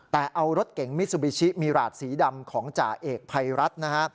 แต่เอารถเก๋งมิซูบิชิมีหลาดสีดำของจ่าเอกภัยรัฐนะฮะ